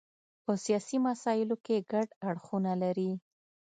په سیاسي مسایلو کې ګډ اړخونه لري.